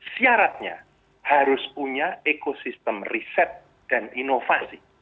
syaratnya harus punya ekosistem riset dan inovasi